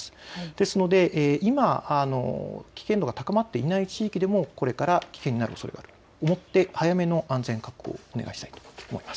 ですので今、危険度が高まっていない地域でもこれから危険になるおそれがあると思って早めの安全確保をお願いしたいと思います。